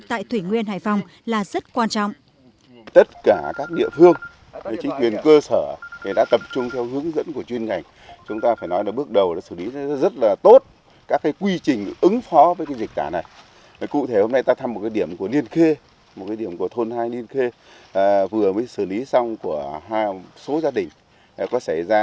tại thủy nguyên hải phòng là rất quan trọng